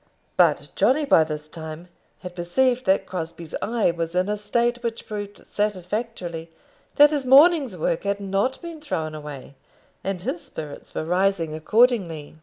But Johnny by this time had perceived that Crosbie's eye was in a state which proved satisfactorily that his morning's work had not been thrown away, and his spirits were rising accordingly.